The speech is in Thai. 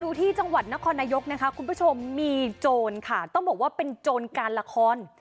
ที่จังหวัดนครนายกนะคะคุณผู้ชมมีโจรค่ะต้องบอกว่าเป็นโจรการละคร